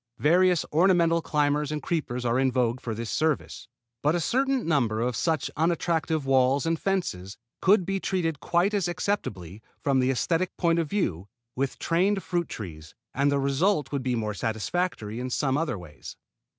Various ornamental climbers and creepers are in vogue for this service; but a certain number of such unattractive walls and fences could be treated quite as acceptably, from the esthetic point of view, with trained fruit trees, and the result would be more satisfactory in some other ways.